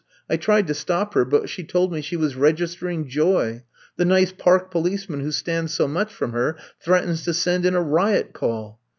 I tried to stop her but she told me she was registering joy. The nice park policeman who stands so much from her threatens to send in a riot call!"